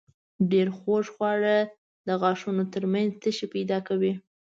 ډېر خوږ خواړه د غاښونو تر منځ تشې پیدا کوي.